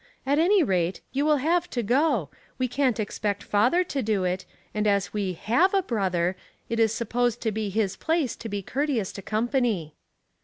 " At any rate, you will have to go ; we can't expect father to do it, and as we have a brother, it is supposed to be his place to be courteous to company."